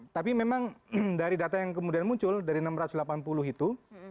tapi memang dari data yang kemudian muncul dari enam ratus delapan puluh itu